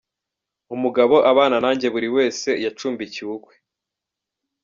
Umugabo, abana nanjye buri wese yacumbikiwe ukwe.